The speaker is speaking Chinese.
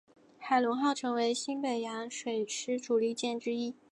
海容号成为新北洋水师主力舰之一。